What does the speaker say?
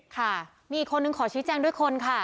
ค่ะมีอีกคนนึงขอชี้แจงด้วยคนค่ะ